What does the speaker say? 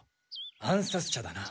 暗殺者だな。